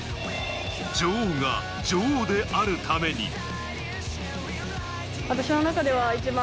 女王が女王であるために。